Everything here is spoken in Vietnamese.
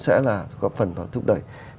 sẽ là góp phần và thúc đẩy